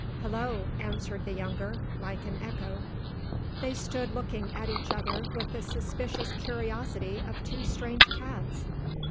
"Hullo!" answered the younger, like an echo. They stood looking at each other with the suspicious curiosity of two strange cats.